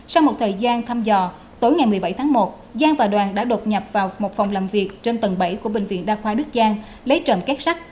sau một thời gian thăm dò tối ngày một mươi bảy tháng một giang và đoàn đã đột nhập vào một phòng làm việc trên tầng bảy của bệnh viện đa khoa đức giang lấy trộm các sắc